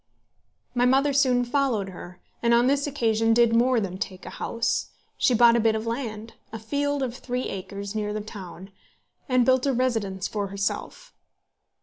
My mother soon followed her, and on this occasion did more than take a house. She bought a bit of land, a field of three acres near the town, and built a residence for herself.